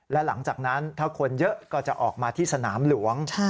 และหลังจากนั้นถ้าคนเยอะก็จะออกมาที่สนามหลวง